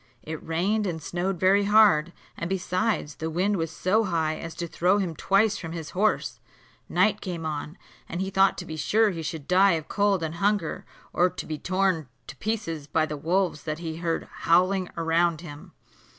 It rained and snowed very hard, and besides, the wind was so high as to throw him twice from his horse. Night came on, and he thought to be sure he should die of cold and hunger, or be torn to pieces by the wolves that he heard howling round him.